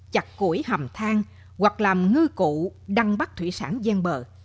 chặt củi hầm thang hoặc làm ngư cụ đăng bắt thủy sản gian bờ